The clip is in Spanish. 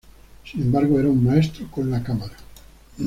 Sin embargo, era un maestro con la cámara".